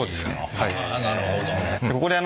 はあなるほどね。